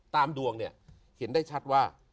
ตามดวงเนี่ยเห็นได้ชัดว่า